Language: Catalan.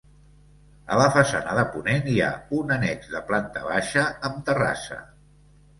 A la façana de ponent hi ha un annex de planta baixa amb terrassa.